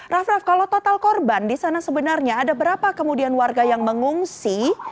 raff raff kalau total korban di sana sebenarnya ada berapa kemudian warga yang mengungsi